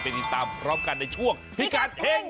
ติดตามพร้อมกันในช่วงพิกัดเฮ่ง